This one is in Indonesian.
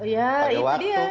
ya itu dia